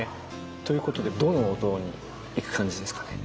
ということでどのお堂に行く感じですかね？